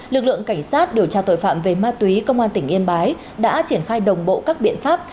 lực lượng cảnh sát điều tra tội phạm về ma túy công an tỉnh yên bái đã triển khai đồng bộ các biện pháp